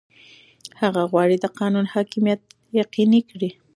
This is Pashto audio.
هغه غواړي د قانون حاکمیت یقیني کړي.